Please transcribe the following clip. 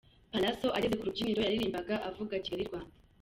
Pallaso ageze ku rubyiniro yaririmbaga avuga Kigali Rwanda.